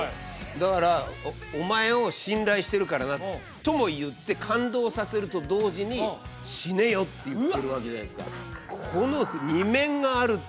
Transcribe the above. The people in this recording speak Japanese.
だからお前を信頼してるからなとも言って感動させると同時に死ねよって言ってるわけじゃないですか